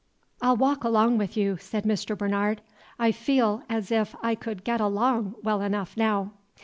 "I'll walk along with you," said Mr. Bernard; "I feel as if I could get along well enough now."